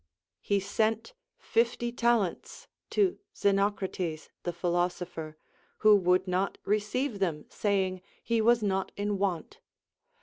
He sent fifty talents to Xenocrates the philosopher, who would not receive them, saying he Avas not in want.